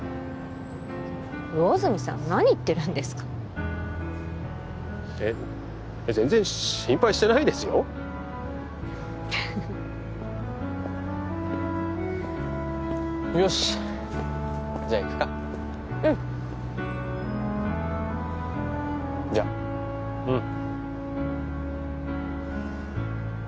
魚住さん何言ってるんですかえっ全然心配してないですよよしじゃあ行くかうんじゃあうん